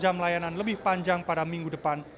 dan akan memiliki pelayanan lebih panjang pada minggu depan